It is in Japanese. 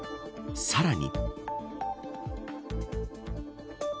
さらに。